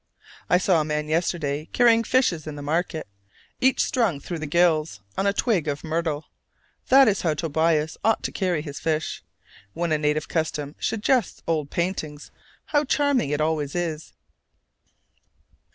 I saw a man yesterday carrying fishes in the market, each strung through the gills on a twig of myrtle: that is how Tobias ought to carry his fish: when a native custom suggests old paintings, how charming it always is!